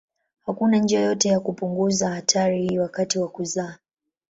Hakuna njia yoyote ya kupunguza hatari hii wakati wa kuzaa.